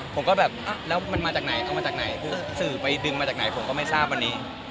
ผมก็แบบแล้วมันมาจากไหนเอามาจากไหน